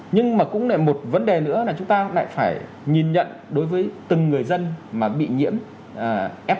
nhưng mà cũng lại một vấn đề nữa là chúng ta lại phải nhìn nhận đối với từng người dân mà bị nhiễm f một